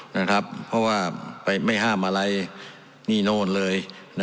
เพราะว่าไม่ห้ามอะไรนี่โน่นเลย